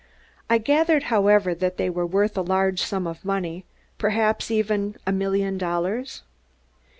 I gathered, however, that they were worth a large sum of money perhaps, even a million dollars?"